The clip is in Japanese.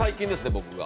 僕が」